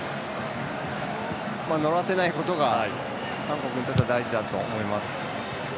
乗らせないことが韓国にとっては大事だと思います。